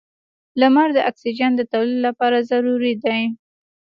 • لمر د اکسیجن د تولید لپاره ضروري دی.